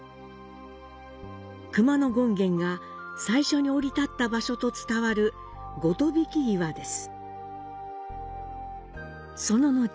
熊野権現が最初に降り立った場所と伝わる「ゴトビキ岩」です。